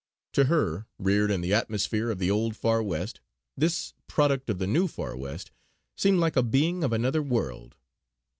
To her, reared in the atmosphere of the Old Far West, this product of the New Far West seemed like a being of another world.